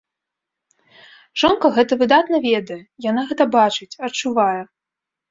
Жонка гэта выдатна ведае, яна гэта бачыць, адчувае.